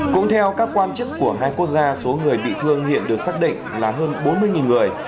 cũng theo các quan chức của hai quốc gia số người bị thương hiện được xác định là hơn bốn mươi người